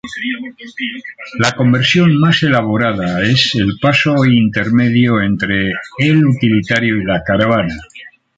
La conversión más elaborada es el paso intermedio entre el utilitario y la caravana.